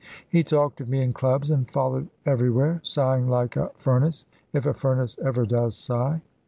He talked of me in clubs and followed everywhere, sighing like a furnace if a furnace ever does sigh.